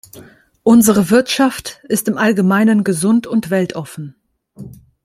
Unsere Wirtschaft ist im Allgemeinen gesund und weltoffen.